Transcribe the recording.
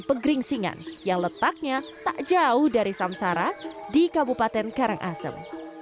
kain tenun geringsingan yang letaknya tak jauh dari samsara di kabupaten karangasem